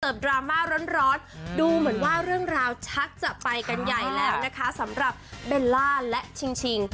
ดราม่าร้อนดูเหมือนว่าเรื่องราวชักจะไปกันใหญ่แล้วนะคะสำหรับเบลล่าและชิง